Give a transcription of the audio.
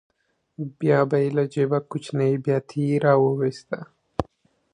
بیا به یې له جېبه کوچنۍ بیاتي راوویسته.